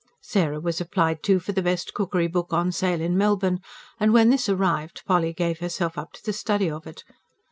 Sarah was applied to for the best cookery book on sale in Melbourne, and when this arrived, Polly gave herself up to the study of it.